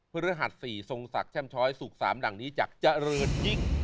ฤหัส๔ทรงศักดิ์แช่มช้อยสุข๓ดังนี้จากเจริญยิ่ง